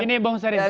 gini bang serif